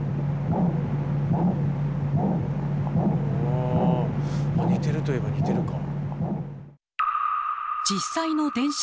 お似てるといえば似てるか。